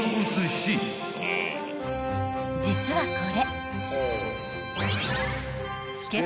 ［実はこれ］